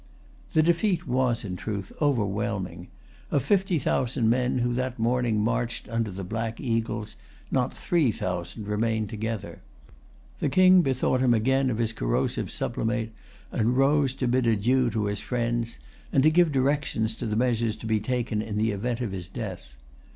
The defeat was, in truth, overwhelming. Of fifty thousand men who had that morning marched under the black eagles, not three thousand remained together. The King bethought him again of his corrosive sublimate, and wrote to bid adieu to his friends, and to give directions as to the measures to be taken in the event of his death.